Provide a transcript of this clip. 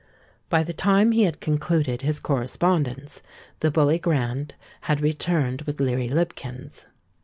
By the time he had concluded his correspondence, the Bully Grand had returned with Leary Lipkins.